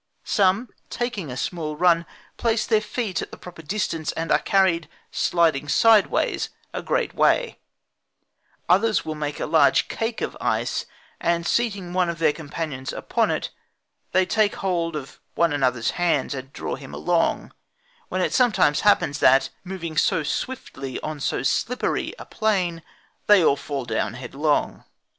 Some, taking a small run, place their feet at the proper distance, and are carried, sliding sideways, a great way; others will make a large cake of ice, and seating one of their companions upon it, they take hold of one another's hands, and draw him along: when it sometimes happens that, moving so swiftly on so slippery a plain, they all fall down headlong.